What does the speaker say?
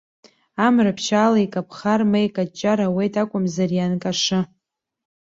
Амра ԥшьаала икаԥхар, ма икаҷҷар ауеит акәымзар, ианкашы.